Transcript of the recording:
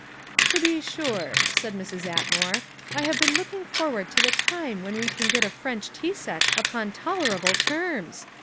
"To be sure," said Mrs. Atmore, "I have been looking forward to the time when we can get a French tea set upon tolerable terms.